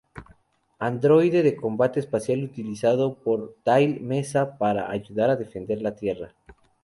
Androide de Combate Espacial utilizado por Tail Messa para ayudar a defender la Tierra.